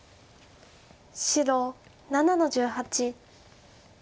白７の十八。